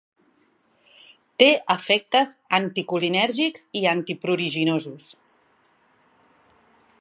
Té efectes anticolinèrgics i antipruriginosos.